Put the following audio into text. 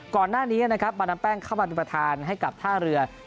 ก่อนหน้านี้นะครับมาดามแป้งเข้ามาเป็นประธานให้กับท่าเรือ